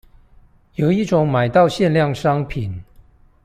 有一種買到限量商品